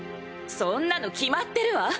そんなの決まってるわ！